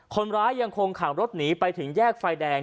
คนร้ายยังคงขังรถหนีไปถึงแยกไฟแดง